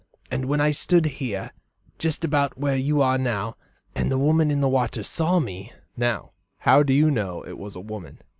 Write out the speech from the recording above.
And then I stood here, jist about where you are now, and the woman in the water she saw me " "Now, how do you know it was a woman?"